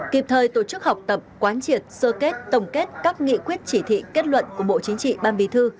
kịp thời tổ chức học tập quán triệt sơ kết tổng kết các nghị quyết chỉ thị kết luận của bộ chính trị ban bí thư